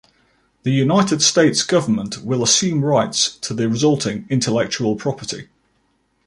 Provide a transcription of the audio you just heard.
The United States government will assume rights to the resulting intellectual property.